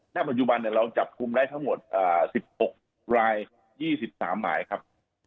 ณปัจจุบันเราจับคุมได้ทั้งหมด๑๖ราย๒๓หมายครับ